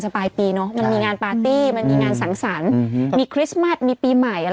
ปลายปีเนอะมันมีงานปาร์ตี้มันมีงานสังสรรค์มีคริสต์มัสมีปีใหม่อะไร